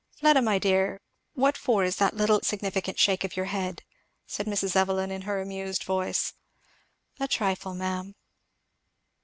"Fleda, my dear, what for is that little significant shake of your head?" said Mrs. Evelyn in her amused voice. "A trifle, ma'am."